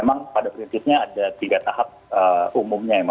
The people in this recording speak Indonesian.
memang pada prinsipnya ada tiga tahap umumnya ya